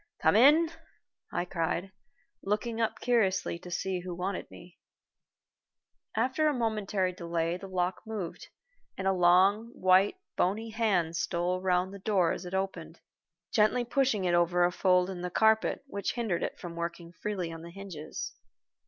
"Come in," I cried, looking up curiously to see who wanted me. After a momentary delay, the lock moved, and a long, white, bony hand stole round the door as it opened, gently pushing it over a fold in the carpet which hindered it from working freely on the hinges.